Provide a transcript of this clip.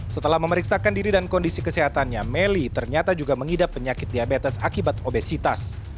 setelah memeriksakan diri dan kondisi kesehatannya melly ternyata juga mengidap penyakit diabetes akibat obesitas